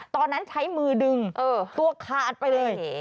ตอนนั้นใช้มือดึงตัวขาดไปเลย